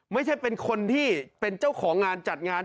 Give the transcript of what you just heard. ไม่ใช่เป็นคนที่เป็นเจ้าของงานจัดงาน